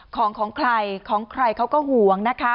ของของใครของใครเขาก็ห่วงนะคะ